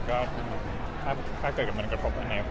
ก็ถ้าเกิดมันกระทบอะไร